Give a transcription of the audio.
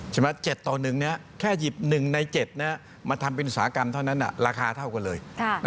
๗ต่อ๑แค่หยิบ๑ใน๗มาทำเป็นอุตสาหกรรมเท่านั้นราคาเท่ากันเลย